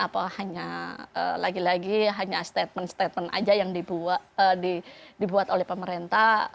apa hanya lagi lagi hanya statement statement aja yang dibuat oleh pemerintah